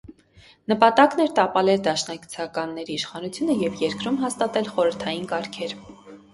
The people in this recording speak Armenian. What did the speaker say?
Նպատակն էր տապալել դաշնակցականների իշխանությունը և երկրում հաստատել խորհրդային կարգեր։